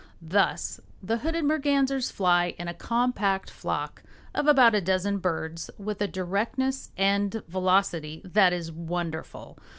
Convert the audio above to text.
Thus the hooded mergansers fly in a compact flock of about a dozen birds with a directness and velocity that is wonderful.